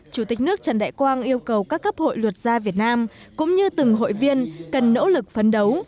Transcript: chủ tịch nước trần đại quang yêu cầu các cấp hội luật gia việt nam cũng như từng hội viên cần nỗ lực phấn đấu